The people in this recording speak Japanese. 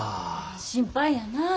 心配やなぁ。